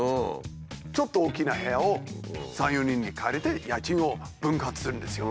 ちょっと大きな部屋を３４人で借りて家賃を分割するんですよ。